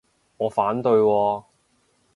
我反對喎